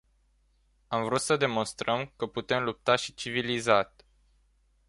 Am vrut să demonstrăm că putem lupta și civilizat.